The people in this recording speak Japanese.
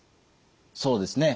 そうですね。